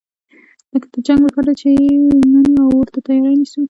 لکه د جنګ لپاره چې یې منو او ورته تیاری نیسو.